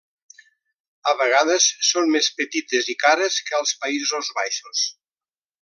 A vegades, són més petites i cares que als Països Baixos.